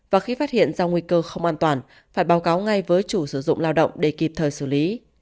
và khi phát hiện ra nguy cơ không an toàn phải báo cáo ngay với chủ sử dụng lao động để kịp thời xử lý